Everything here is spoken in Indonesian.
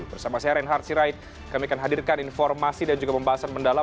bersama saya reinhard sirait kami akan hadirkan informasi dan juga pembahasan mendalam